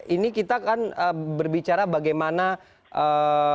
ini kita kan berbicara bagaimana ada negara yang bisa diperlukan